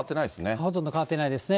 ほとんど変わってないですね。